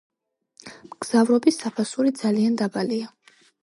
მგზავრობის საფასური ძალიან დაბალია.